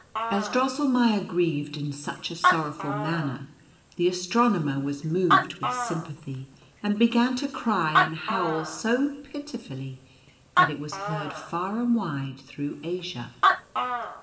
As Drosselmeier grieved in such a sorrowful manner, the astronomer was moved with sympathy, and began to cry and NUTCKACKER AND MOUSE KING. 77 howl so pitifully that it was heard far and wide through. Asia.